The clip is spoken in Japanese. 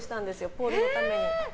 ポールのために。